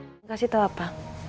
terima kasih telah apa